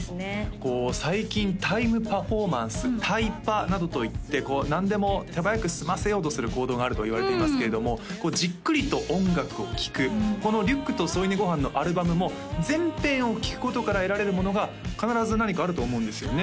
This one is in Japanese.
こう最近タイムパフォーマンスタイパなどといって何でも手早く済ませようとする行動があるといわれていますけれどもこうじっくりと音楽を聴くこのリュックと添い寝ごはんのアルバムも全編を聴くことから得られるものが必ず何かあると思うんですよね